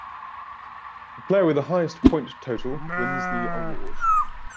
The player with the highest point total wins the award.